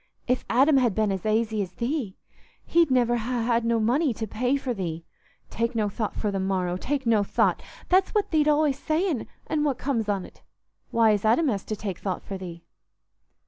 If Adam had been as aisy as thee, he'd niver ha' had no money to pay for thee. Take no thought for the morrow—take no thought—that's what thee't allays sayin'; an' what comes on't? Why, as Adam has to take thought for thee."